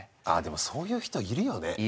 あでもそういう人いるよね。